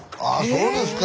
そうですか。